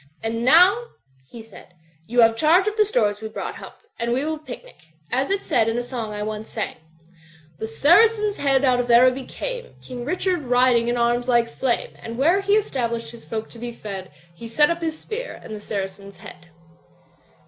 "And now," he said, "you have charge of the stores we brought. Hump, and we will picnic. As it said in a song I once sang, "The Saracen's Head out of Araby came, King Richard riding in arms like flame. And where he established his folk to be fed He set up his spear, and the Saracen's Head."